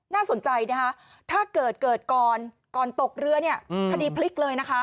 น่าสนใจนะคะถ้าเกิดเกิดก่อนก่อนตกเรือเนี่ยคดีพลิกเลยนะคะ